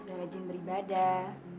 udah rajin beribadah